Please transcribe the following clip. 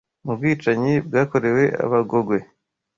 mu bwicanyi bwakorewe Abagogwe